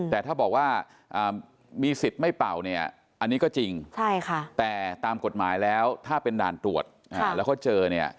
แต่ถ้าบอกว่ามีสิทธิ์ไม่เป่าเนี่ยอันนี้ก็จริงแต่ตามกฎหมายแล้วถ้าเป็นด่านตรวจแล้วเขาเจอเนี่ย